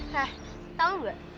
nah tau gak